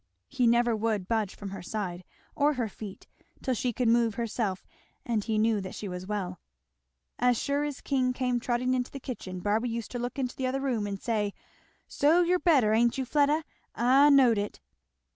He never would budge from her side, or her feet, till she could move herself and he knew that she was well. As sure as King came trotting into the kitchen Barby used to look into the other room and say, "So you're better, ain't you, Fleda? I knowed it!"